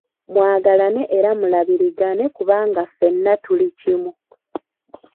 Mwagalane era mulabirigane kubanga ffenna tuli kimu.